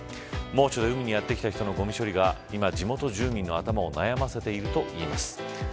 猛暑で海にやって来た人のごみ処理が今、地元住民の頭を悩ませているといいます。